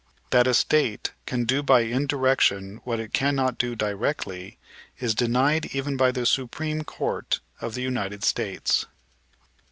That a State can do by indirection what it cannot do directly, is denied even by the Supreme Court of the United States.